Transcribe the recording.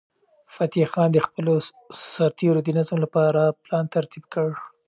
فتح خان د خپلو سرتیرو د نظم لپاره پلان ترتیب کړ.